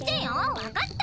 わかった？